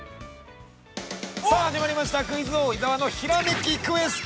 ◆さあ始まりました「クイズ王・伊沢のひらめきクエスト」。